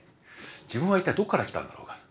自分は一体どっから来たんだろうか？